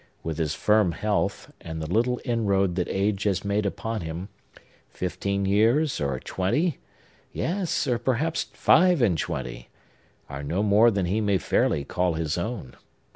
With his firm health, and the little inroad that age has made upon him, fifteen years or twenty—yes, or perhaps five and twenty!—are no more than he may fairly call his own.